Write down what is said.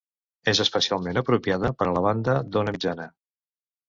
És especialment apropiada per a la banda d'ona mitjana.